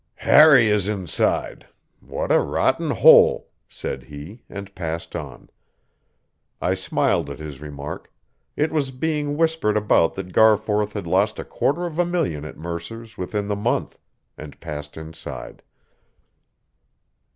"Harry is inside. What a rotten hole," said he, and passed on. I smiled at his remark it was being whispered about that Garforth had lost a quarter of a million at Mercer's within the month and passed inside.